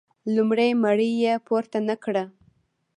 لومړۍ مړۍ یې پورته نه کړه.